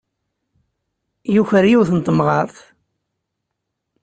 Yuker yiwet n temɣart.